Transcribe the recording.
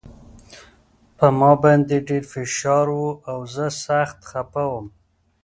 په ما باندې ډېر فشار و او زه سخت خپه وم